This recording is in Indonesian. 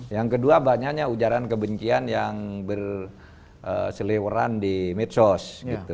yang kedua banyaknya ujaran kebencian yang berseliweran di medsos